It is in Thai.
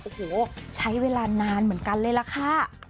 โอ้โหใช้เวลานานเหมือนกันเลยล่ะค่ะ